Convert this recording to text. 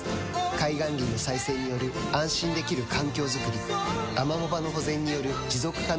海岸林の再生による安心できる環境づくりアマモ場の保全による持続可能な海づくり